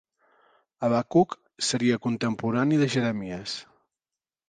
Habacuc seria contemporani de Jeremies.